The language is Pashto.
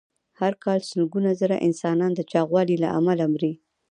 هر کال سلګونه زره انسانان د چاغوالي له امله مري.